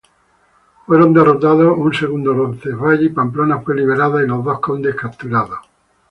Fueron derrotados un "segundo Roncesvalles" y Pamplona fue liberada y los dos condes capturados.